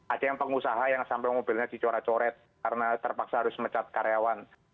ada yang pengusaha yang sampai mobilnya dicoret coret karena terpaksa harus mecat karyawan